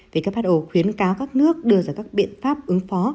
who khuyến cáo các nước đưa ra các biện pháp ứng phó